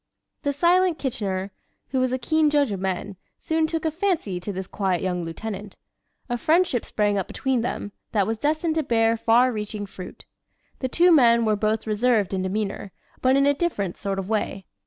The silent Kitchener, who was a keen judge of men, soon took a fancy to this quiet young lieutenant. A friendship sprang up between them, that was destined to bear far reaching fruit. The two men were both reserved in demeanor, but in a different sort of way.